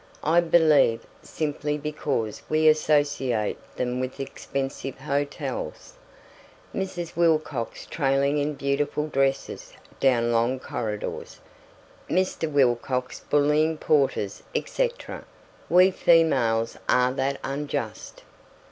I believe simply because we associate them with expensive hotels Mrs. Wilcox trailing in beautiful dresses down long corridors, Mr. Wilcox bullying porters, etc. We females are that unjust.